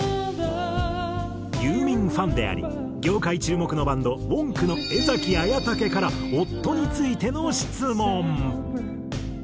ユーミンファンであり業界注目のバンドＷＯＮＫの江文武から夫についての質問。